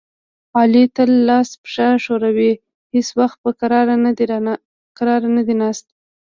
علي تل لاس پښه ښوروي، هېڅ وخت په کرار نه دی ناست.